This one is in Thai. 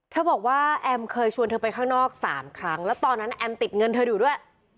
บอกว่าแอมเคยชวนเธอไปข้างนอก๓ครั้งแล้วตอนนั้นแอมติดเงินเธออยู่ด้วย